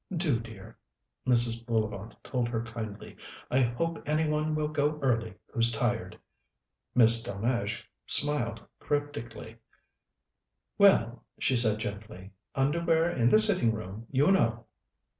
"Do, dear," Mrs. Bullivant told her kindly. "I hope any one will go early who's tired." Miss Delmege smiled cryptically. "Well," she said gently, "underwear in the sitting room, you know!"